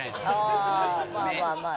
ああまあまあまあ。